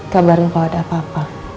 kabarnya kalau ada apa apa